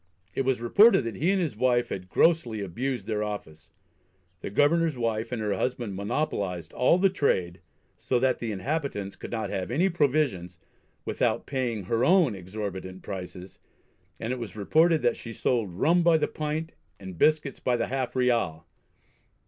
It was reported that he and his wife had grossly abused their office. The governor's wife and her husband monopolised "all the trade," so that the inhabitants could not have any provisions "without paying her own exhorbitant prices," and it was reported that she sold "rum by the pint and biscuits by the half ryal."